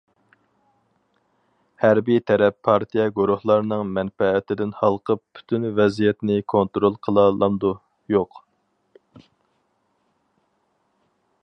ھەربىي تەرەپ پارتىيە- گۇرۇھلارنىڭ مەنپەئەتىدىن ھالقىپ پۈتۈن ۋەزىيەتنى كونترول قىلالامدۇ،- يوق.